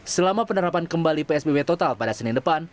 selama penerapan kembali psbb total pada senin depan